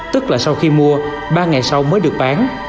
tức là sau khi mua ba ngày sau mới được bán